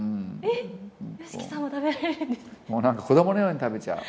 ＹＯＳＨＩＫＩさんも食べらもう、なんか子どものように食べちゃう。